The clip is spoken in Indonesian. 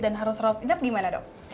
kalau dia masih rawat inap gimana dok